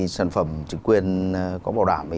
sản phẩm trứng quyền có bảo đảm